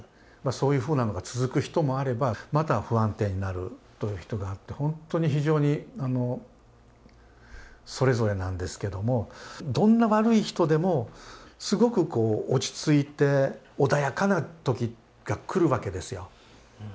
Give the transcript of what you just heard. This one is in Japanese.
そういうふうなのが続く人もあればまた不安定になるという人があってほんとに非常にそれぞれなんですけどもどんなに悪い人でもすごく落ち着いて穏やかな時が来るわけですよ。